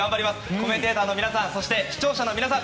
コメンテーターの皆さんそして、視聴者の皆さん